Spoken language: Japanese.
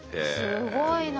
すごいな。